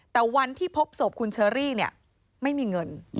แต่วันที่พบศพคุณเชอรี่ไม่มีเงิน